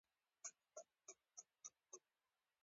د نجونو تعلیم د اورګاډي سیستم ته وده ورکوي.